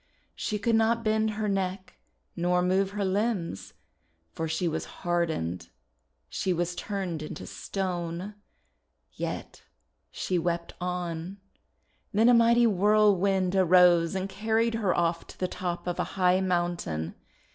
She could not bend her neck nor move her limbs, for she was hard ened; she was turned into stone. Yet she wept on. Then a mighty whirlwind arose and carried her off to the top of a high mountain.